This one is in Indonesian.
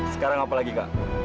sekarang apa lagi kak